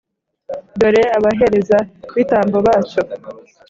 Dore abaherezabitambo bacyo.